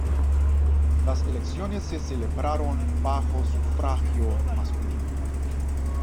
Las elecciones se celebraron bajo sufragio masculino.